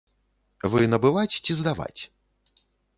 Вы набываць ці здаваць?